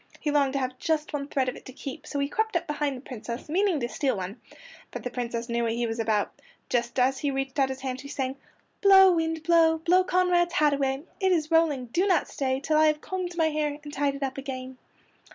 He longed to have just one thread of it to keep, so he crept up behind the Princess, meaning to steal one. But the Princess knew what he was about. Just as he reached out his hand she sang: "Blow, wind, blow! Blow Conrad's hat away. It is rolling! Do not stay Till I have combed my hair And tied it up again."